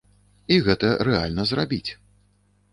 І гэта рэальна зрабіць.